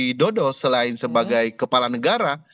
jokowi dodo selain sebagai kepala negara